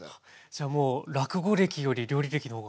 じゃもう落語歴より料理歴の方が。